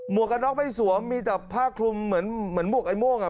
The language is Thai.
วกกันน็อกไม่สวมมีแต่ผ้าคลุมเหมือนเหมือนหมวกไอ้ม่วงอ่ะ